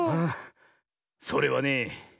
それはね